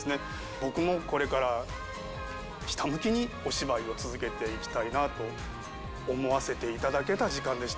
僕もこれからひたむきにお芝居を続けていきたいなと思わせていただけた時間でした。